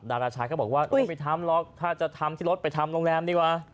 ดาราชายก็บอกว่าไม่ทำหรอกถ้าจะทำที่รถไปทำโรงแรมดีกว่า